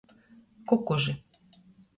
Kukuži.